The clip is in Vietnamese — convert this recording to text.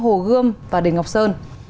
nhân thắng hồ gươm và đình ngọc sơn